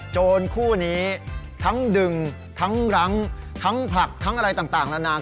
โจรคู่นี้ทั้งดึงทั้งรั้งทั้งผลักทั้งอะไรต่างนานา